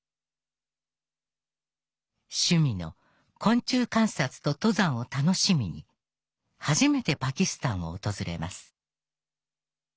趣味の昆虫観察と登山を楽しみに初めてパキスタンを訪れます。